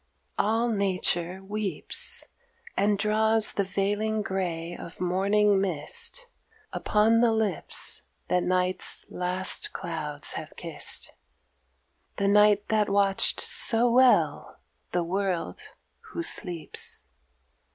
All nature weeps And draws the veiling grey of morning mist Upon the lips that Night's last clouds have kist The Night that watched so well the world who sleeps.